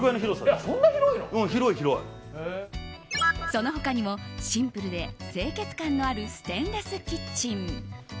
その他にもシンプルで清潔感のあるステンレスキッチン。